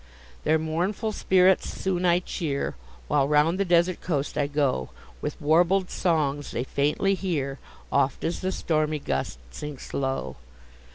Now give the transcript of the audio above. Their mournful spirits soon I cheer, While round the desert coast I go, With warbled songs they faintly hear, Oft as the stormy gust sinks low.